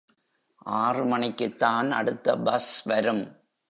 ஆறு மணிக்குத் தான் அடுத்த பஸ் வரும்.